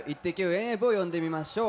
遠泳部を呼んでみましょう。